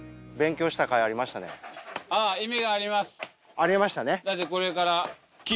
・ありましたね。